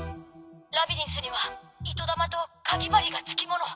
「ラビリンスには糸玉とかぎ針がつきもの」とありました。